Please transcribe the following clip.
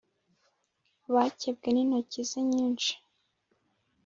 abakebwe n intoki ze nyinshi